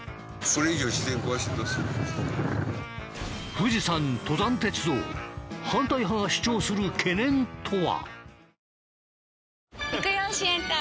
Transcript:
富士山登山鉄道反対派が主張する懸念とは？